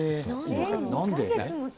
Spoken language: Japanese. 何で？